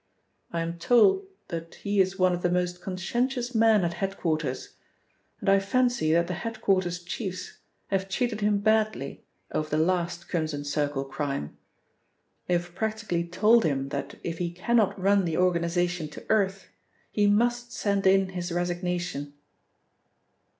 I am told that he is one of the most conscientious men at head quarters, and I fancy that the head quarters chiefs have treated him badly over the last Crimson Circle crime. They have practically told him that if he cannot run the organisation to earth he must send in his resignation."